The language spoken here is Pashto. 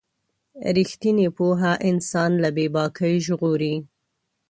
رښتینې پوهه انسان له بې باکۍ ژغوري.